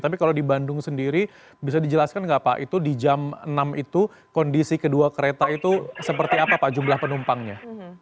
tapi kalau di bandung sendiri bisa dijelaskan nggak pak itu di jam enam itu kondisi kedua kereta itu seperti apa pak jumlah penumpangnya